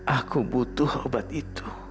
aku butuh obat itu